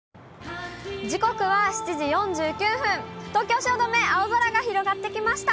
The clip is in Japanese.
時刻は７時４９分、東京・汐留、青空が広がってきました。